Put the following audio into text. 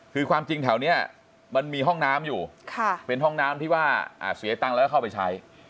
คือความจริงแถวนี้มันมีห้องน้ำอยู่เป็นห้องน้ำที่ว่าเสียตังค์แล้วก็เข้าไปใช้